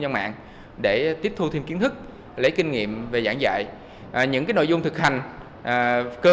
gian mạng để tiếp thu thêm kiến thức lấy kinh nghiệm về giảng dạy những nội dung thực hành cơ